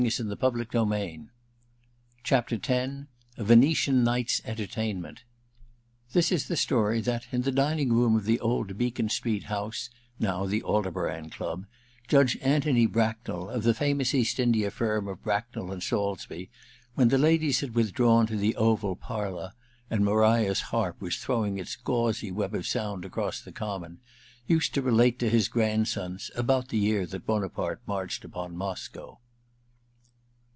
When the girl looked up she was alone. L A VENETIAN NIGHT'S ENTERTAINMENT 3«3 This is the story that, in the dining room of the old Beacon Street house (now the Aldebaran Club), Judge Anthony Bracknell, of the famous East India firm of Bracknell & Saulsbee, when the ladies had withdrawn to the oval parlour (and Maria's harp was throwing its gauzy web of sound across the Common), used to relate to his grandsons, about the year that Buonaparte marched upon Moscow.